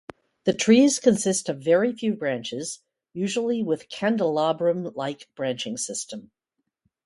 The trees consist of very few branches, usually with candelabrum-like branching system.